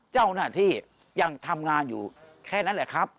เจ้าหน้าที่ยังทำงานอยู่แค่นั้นแหละครับ